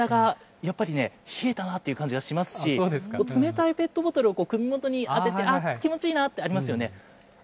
でもね、体がやっぱりね、冷えたなっていう感じがしますし、冷たいペットボトルを首元に当てて、あっ、気持ちいいなってありますよね？